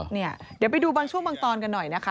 เดี๋ยวไปดูบางช่วงบางตอนกันหน่อยนะคะ